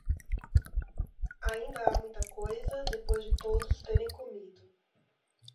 Ainda há muita coisa depois de todos terem comido